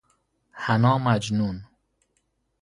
حنا مجنون